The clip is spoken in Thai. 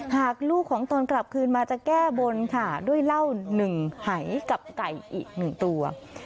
หากลูกของตนกลับคืนมาจะแก้บนค่ะด้วยเหล้าหนึ่งหายกับไก่อีกหนึ่งตัว